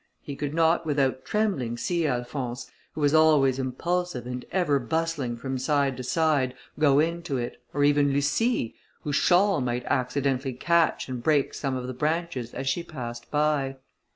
He could not without trembling see Alphonse, who was always impulsive and ever bustling from side to side, go into it, or even Lucie, whose shawl might accidentally catch and break some of the branches as she passed by.